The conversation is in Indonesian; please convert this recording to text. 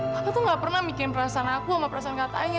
aku tuh gak pernah mikir perasaan aku sama perasaan katanya